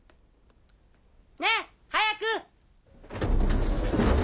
ねぇ早く！